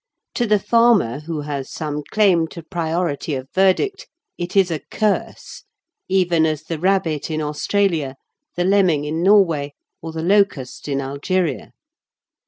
To the farmer, who has some claim to priority of verdict, it is a curse, even as the rabbit in Australia, the lemming in Norway, or the locust in Algeria.